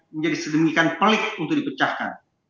menjadi sedemikian pelik untuk dipecahkan